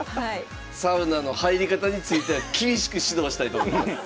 サウナの入り方については厳しく指導したいと思います。